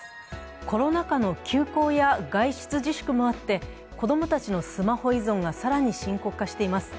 コロナ禍の休校や外出自粛もあって子供たちのスマホ依存が更に深刻化しています。